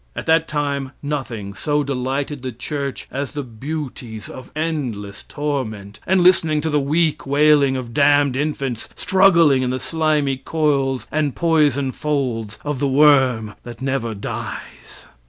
At that time nothing so delighted the church as the beauties of endless torment, and listening to the weak wailing of damned infants struggling in the slimy coils and poison folds of the worm that never dies.